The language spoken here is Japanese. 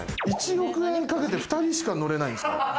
１億円かけて２人しか乗れないんですか？